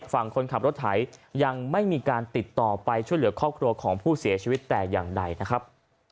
ฝั่งคนขับรถไถยังไม่มีการติดต่อไปช่วยเหลือครอบครัวของผู้เสียชีวิตแต่อย่างใดนะครับ